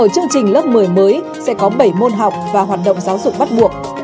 chương trình lớp một mươi mới sẽ có bảy môn học và hoạt động giáo dục bắt buộc